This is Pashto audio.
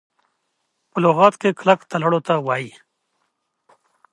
په لغت کي کلک تړلو ته وايي .